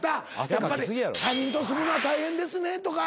やっぱり他人と住むのは大変ですねとか。